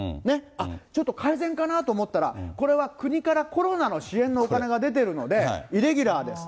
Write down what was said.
あっ、ちょっと改善かなと思ったら、これは国からコロナの支援のお金が出てるので、イレギュラーです。